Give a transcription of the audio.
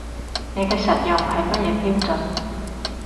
你嘅實用係乜嘢標準